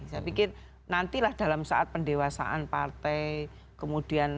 saya pikir nantilah dalam saat pendewasaan partai kemudian